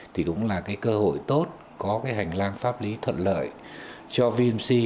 thì cũng là cơ hội tốt có hành lang pháp lý thuận lợi cho vmc